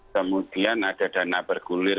kemudian ada dana bergulir